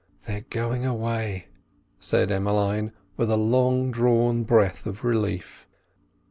"They are going away," said Emmeline, with a long drawn breath of relief.